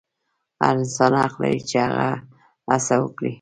هر انسان حق لري چې هڅه وکړي.